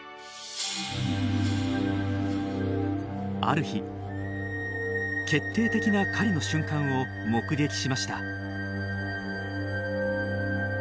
ある日決定的な狩りの瞬間を目撃しました。